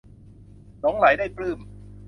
หลงใหลได้ปลื้ม